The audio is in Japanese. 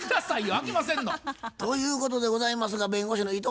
あきませんの？ということでございますが弁護士の伊藤先生